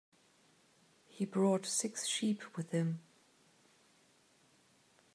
He brought six sheep with him.